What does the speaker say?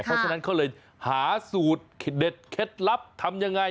เพราะฉะนั้นเขาเลยหาสูตรเด็ดเคล็ดลับทำยังไง